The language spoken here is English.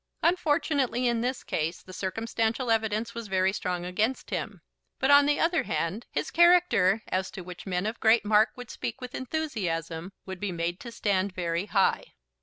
Unfortunately, in this case the circumstantial evidence was very strong against him. But, on the other hand, his character, as to which men of great mark would speak with enthusiasm, would be made to stand very high.